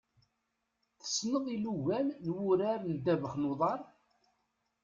Tessneḍ ilugan n wurar n ddabex n uḍar?